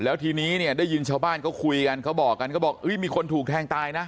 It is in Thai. แล้วทีนี้เนี่ยได้ยินชาวบ้านเขาคุยกันเขาบอกกันก็บอกมีคนถูกแทงตายนะ